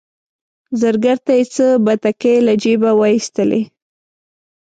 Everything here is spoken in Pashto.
زرګر ته یې څه بتکۍ له جیبه وایستلې.